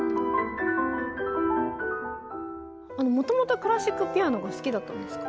もともとクラシックピアノが好きだったんですか？